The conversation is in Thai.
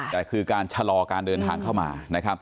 แต่คือการชะลอการเดินทางเข้ามานะครับ